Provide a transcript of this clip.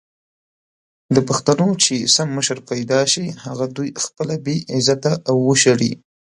د پښتنو چې سم مشر پېدا سي هغه دوي خپله بې عزته او وشړي!